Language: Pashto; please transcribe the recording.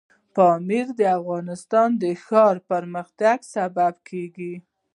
پامیر د افغانستان د ښاري پراختیا سبب کېږي.